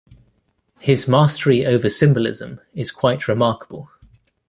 His mastery over symbolism is quite remarkable.